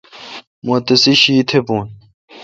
مہ تیسے شیتھ بھون۔